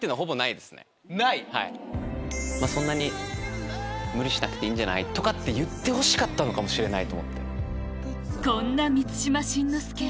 「まぁそんなに無理しなくていいんじゃない」とかって言ってほしかったのかもしれない。